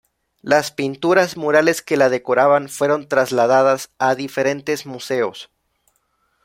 Las pinturas murales que la decoraban, fueron trasladadas a diferentes museos.